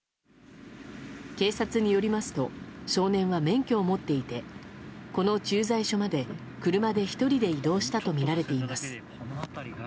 警察によりますと少年は免許を持っていてこの駐在所まで、車で１人で移動したとみられています。